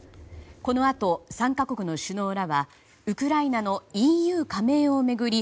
このあと、３か国の首脳らはウクライナのＥＵ加盟を巡り